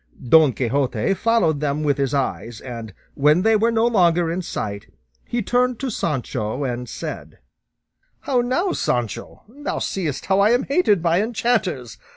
Don Quixote followed them with his eyes, and when they were no longer in sight, he turned to Sancho and said, "How now, Sancho? thou seest how I am hated by enchanters!